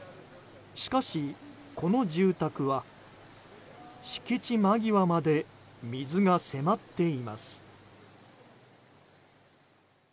しかし、この住宅は敷地間際まで水が迫っています。